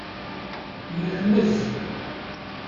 Yekmez.